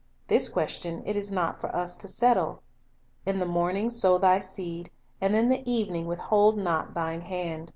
This question it is not for us to settle. "In the morning sow thy seed, and in the evening withhold not thine hand."